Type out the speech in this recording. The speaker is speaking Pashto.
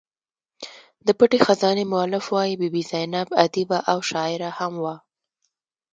د پټې خزانې مولف وايي بي بي زینب ادیبه او شاعره هم وه.